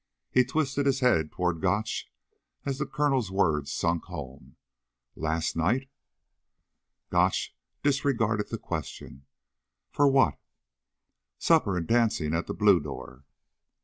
He twisted his head toward Gotch as the Colonel's words sunk home. "Last night?" Gotch disregarded the question. "For what?" "Supper and dancing at the Blue Door."